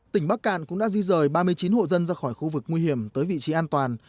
tỉnh bắc cạn cũng đã di rời ba mươi chín hộ dân ra khỏi khu vực nguy hiểm tới vị trí an toàn